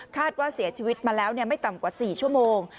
ว่าเสียชีวิตมาแล้วไม่ต่ำกว่า๔ชั่วโมง